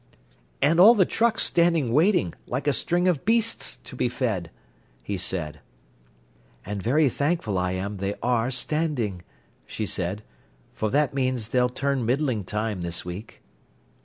"And all the trucks standing waiting, like a string of beasts to be fed," he said. "And very thankful I am they are standing," she said, "for that means they'll turn middling time this week."